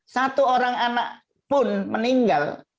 satu orang anak pun meninggal